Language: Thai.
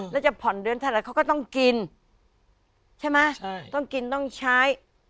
แล้วจะผ่อนเดือนเท่าไหร่เขาก็ต้องกินใช่ไหมต้องกินต้องใช้